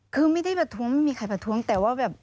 คือไม่ได้ประท้วงไม่มีใครประท้วงแต่ว่าแบบ